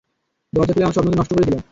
দরজা খুলে আমার স্বপ্ন নষ্ট করে দিল।